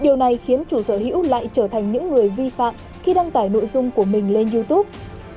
điều này khiến chủ sở hữu lại trở thành những người vi phạm khi đăng tải nội dung của mình lên youtube